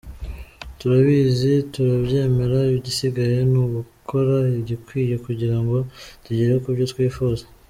Turabizi, turabyemera, igisigaye ni ugukora igikwiye kugira ngo tugere ku byo twifuza.